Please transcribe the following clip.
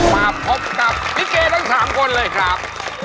มาพบกับลิเกทั้ง๓คนเลยครับ